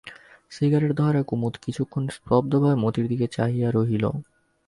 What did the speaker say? Cigarette ধরাইয়া কুমুদ কিছুক্ষণ স্তব্ধভাবে মতির দিকে চাহিয়া রহিল।